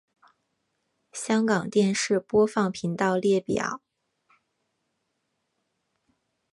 香港电视播放频道列表